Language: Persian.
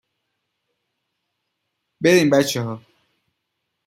بریم بچه ها